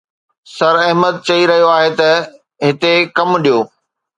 سر احمد چئي رهيو آهي ته هتي ڪم ڏيو